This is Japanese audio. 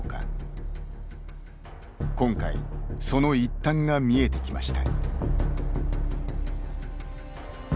今回、その一端が見えてきました。